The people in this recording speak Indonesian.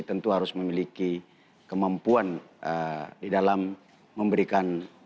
tentu harus memiliki kemampuan di dalam memberikan